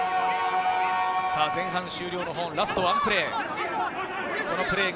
前半終了のホーン、ラストワンプレー。